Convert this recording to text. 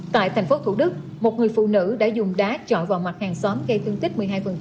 tại thành phố thủ đức một người phụ nữ đã dùng đá chọn vào mặt hàng xóm gây thương tích một mươi hai